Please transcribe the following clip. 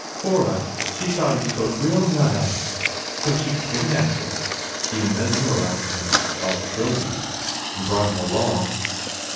Cora, she thought he spoke real nice So she kidnapped him. She mesmerized him like Trilby and brought him along.